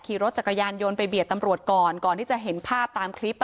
ขี่รถจักรยานยนต์ไปเบียดตำรวจก่อนก่อนที่จะเห็นภาพตามคลิป